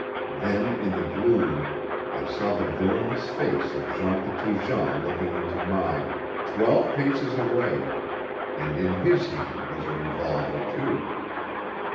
Then, in the gloom, I saw the villainous face of Jean Petitjean looking into mine, twelve paces away, and in his hand was a revolver, too.